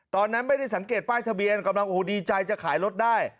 ตอนนั้นไม่ได้สังเกตป้ายทะเบียนกำลังโอ้โหดีใจจะขายรถได้